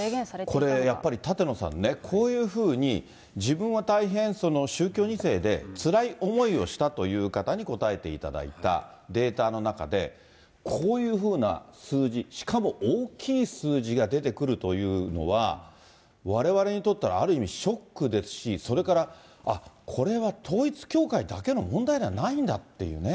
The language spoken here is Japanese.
これやっぱり、舘野さんね、こういうふうに、自分は大変、宗教２世で、つらい思いをしたという方に答えていただいたデータの中で、こういうふうな数字、しかも大きい数字が出てくるというのは、われわれにとったら、ある意味ショックですし、それから、あっ、これは統一教会だけの問題ではないんだっていうね。